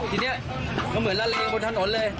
ทีนี้มันเหมือนละเลงบนถนนเลย